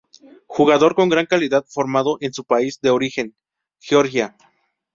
Jugador con gran calidad formado en su país de origen, Georgia.